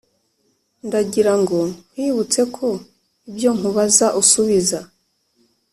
ndagirango nkwibutse ko ibyo nkubaza usubiza